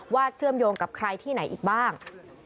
เชื่อมโยงกับใครที่ไหนอีกบ้าง